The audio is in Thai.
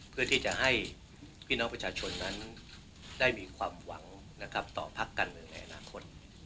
เพื่อที่จะให้พี่น้องประชาชนนั้นได้มีความหวังต่อพักกันในอนาคต